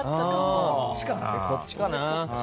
こっちかな。